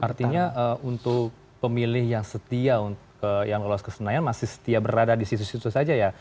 artinya untuk pemilih yang setia yang lolos ke senayan masih setia berada di situ situ saja ya